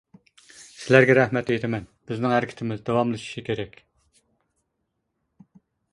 سىلەرگە رەھمەت ئېيتىمەن، بىزنىڭ ھەرىكىتىمىز داۋاملىشىشى كېرەك!